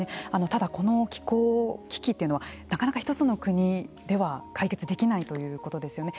ただ、この気候危機というのはなかなか１つの国では解決できないということですよね。